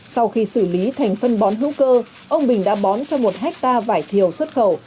sau khi xử lý thành phân bón hữu cơ ông bình đã bón cho một hectare vải thiều xuất khẩu